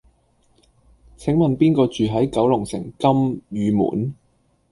請問邊個住喺九龍城金·御門？